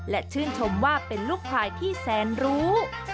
และชื่นชมว่าเป็นลูกชายที่แสนรู้